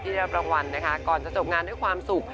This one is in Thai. ได้รับรางวัลนะคะก่อนจะจบงานด้วยความสุข